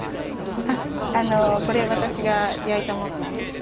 あっあのこれ私が焼いたものなんです。